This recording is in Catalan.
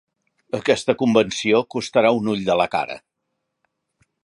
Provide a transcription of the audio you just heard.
Aquesta convenció costarà un ull de la cara.